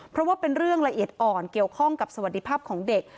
เพราะว่าเป็นเรื่องละเอียดอ่อนเกี่ยวข้องกับสวัสดิภาพของเด็ก